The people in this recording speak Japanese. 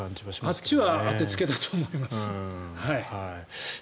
あっちは当てつけだと思います。